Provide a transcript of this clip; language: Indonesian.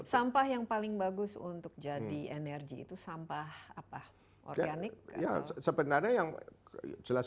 sampah yang paling bagus untuk energi itu sampah apa organic ya sebenarnya yang jelas